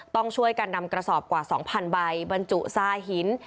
ต้องช่วยกันนำกระสอบกว่า๒๐๐ใบบรรจุซาหิน